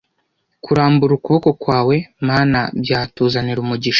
kurambura ukuboko kwawe mana byatuzanira umugisha